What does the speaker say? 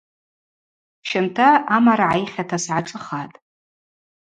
Щымта амара гӏайхьата сгӏашӏыхатӏ.